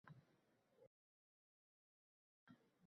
Etimni siladi abadiy shamol.